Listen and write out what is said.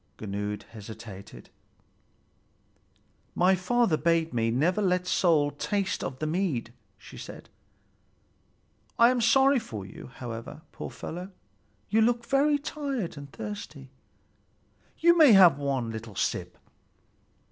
Gunnlöd hesitated. "My father bade me never let soul taste of the mead," she said "I am sorry for you, however, poor fellow. You look very tired and thirsty. You may have one little sip."